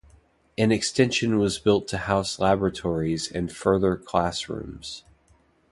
An extension was built to house laboratories and further classrooms.